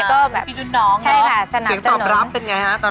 เป็นไงครับตอนแรก